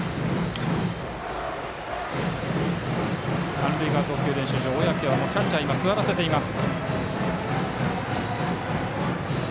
三塁側、投球練習場小宅はキャッチャーを座らせています。